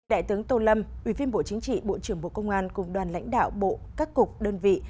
đại tướng tô lâm ủy viên bộ chính trị bộ trưởng bộ công an cùng đoàn lãnh đạo bộ các cục đơn vị